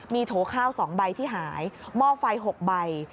มีโถข้าว๒ใบที่หายหม้อไฟ๖ใบ